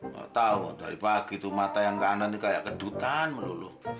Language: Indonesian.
nggak tahu dari pagi itu mata yang kanan ini kayak kedutan melulu